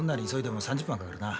３０分はかかるな。